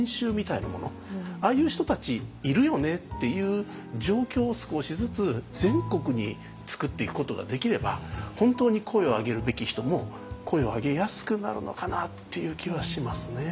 ああいう人たちいるよねっていう状況を少しずつ全国に作っていくことができれば本当に声を上げるべき人も声を上げやすくなるのかなっていう気はしますね。